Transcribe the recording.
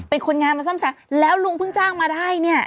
เป็นคนงานมาซ่อมแซมแล้วลุงเพิ่งจ้างมาได้เนี่ย